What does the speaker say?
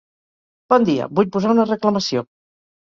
Bon dia, vull posar una reclamació.